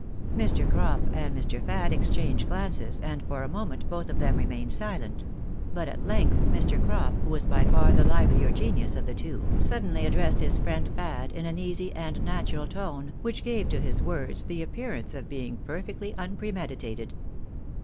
Mr. Crop and Mr. Fad exchanged glances, and for a moment both of them remained silent ; but at length, Mr. Crop, who was E 2 276 by far the livelier genius of tlie two, suddenly addressed his friend Fad in an easy and natural tone, which gaVe to his words the appearance of being perfectly unpremeditated.